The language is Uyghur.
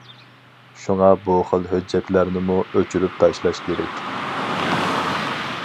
شۇڭا بۇ خىل ھۆججەتلەرنىمۇ ئۆچۈرۈپ تاشلاش كېرەك.